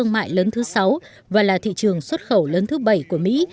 thương mại lớn thứ sáu và là thị trường xuất khẩu lớn thứ bảy của mỹ